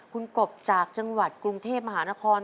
คุณกบจากจังหวัดกรุงเทพมหานคร